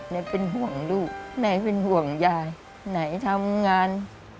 แม่เป็นห่วงลูกแม่เป็นห่วงยายไหนทำงาน